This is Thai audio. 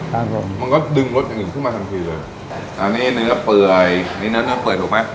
ครับผมมันก็ดึงรสอย่างอื่นขึ้นมาทันทีเลยอันนี้เนื้อเปื่อยอันนี้เนื้อเนื้อเปื่อยถูกไหม